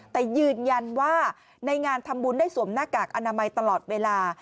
แต่ยืนยันว่าในงานทำบุญได้สวมหน้ากากอนามัยตลอดเวลา